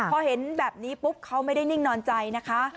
พอเห็นแบบนี้ปุ๊บเขาไม่ได้นิ่งนอนใจนะคะ